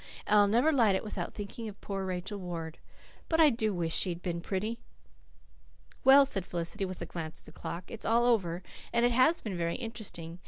"And I'll never light it without thinking of poor Rachel Ward. But I DO wish she had been pretty." "Well," said Felicity, with a glance at the clock, "it's all over, and it has been very interesting.